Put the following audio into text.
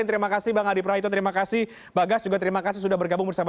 terima kasih bang adi prahito terima kasih bagas juga terima kasih sudah bergabung bersama